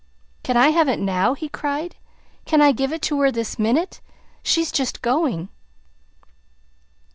"Can I have it now?" he cried. "Can I give it to her this minute? She's just going."